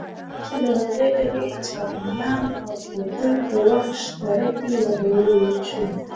چې له هغې ډلې چغانيان او خوتل د وخش دره کې يادولی شو.